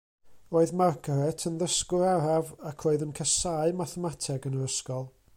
Roedd Margaret yn ddysgwr araf, ac roedd yn casáu mathemateg yn yr ysgol.